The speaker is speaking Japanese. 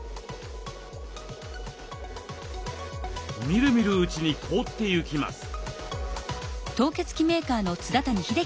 みるみるうちに凍ってゆきます。